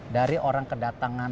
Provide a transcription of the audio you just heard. dari orang kedatangan